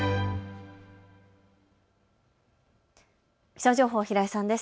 気象情報、平井さんです。